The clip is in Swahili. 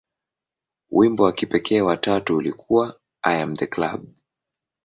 Wimbo wa kipekee wa tatu ulikuwa "I Am The Club".